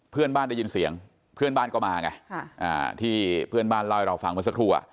เพื่อนบ้านได้ยินเสียงเพื่อนบ้านก็มาไงที่เพื่อนบ้านเล่าให้เราฟังเมื่อสักครู่